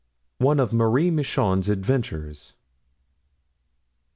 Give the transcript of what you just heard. One of Marie Michon's Adventures.